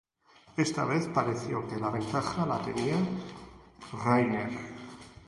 Esta vez, pareció que la ventaja la tenía Rayner.